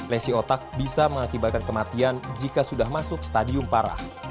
lesi otak bisa mengakibatkan kematian jika sudah masuk stadium parah